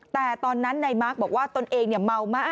แต่ตอนนั้นนายมาร์คบอกว่าตนเองเมามาก